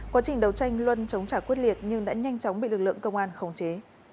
quá trình đấu tranh luân chống trả quyết liệt nhưng đã nhanh chóng bị lực lượng công an khống chế